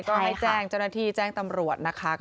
ก็ให้แจ้งเจ้าหน้าที่แจ้งตำรวจนะคะ